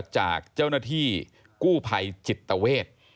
จากเจ้าหน้าที่กู้ภัยจิตเวท